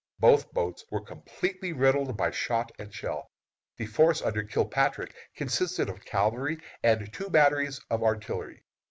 Both boats were completely riddled by shot and shell. The force under Kilpatrick consisted of cavalry and two batteries of artillery.